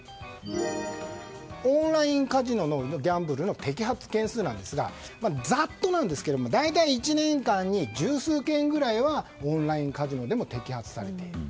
オンラインカジノのギャンブルの摘発件数なんですがざっとなんですけども大体１年間に十数件ぐらいはオンラインカジノでも摘発されている。